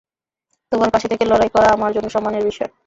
তোমার পাশে থেকে লড়াই করা আমার জন্য সম্মানের বিষয়।